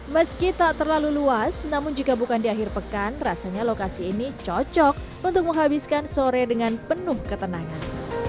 meski tak terlalu luas namun jika bukan di akhir pekan rasanya lokasi ini cocok untuk menghabiskan sore dengan penuh ketenangan